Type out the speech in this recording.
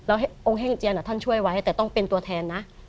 แล้วองค์แห้งเจียนท่านช่วยไว้แต่ต้องเป็นตัวแทนนะ